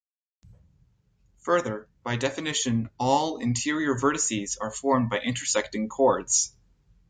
Further, by definition "all" interior vertices are formed by intersecting chords.